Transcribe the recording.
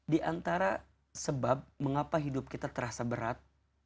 di antara sebab mengapa hidup kita terasa berat